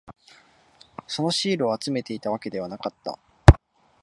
そのシールを集めていたわけではなかった。